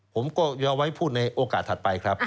ผมก็จะเอาไว้พูดในโอกาสถัดไปครับ